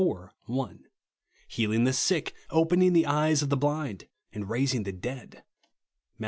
1) ; healing the sick, opening the eyes of the blind, and raising the dead (Matt.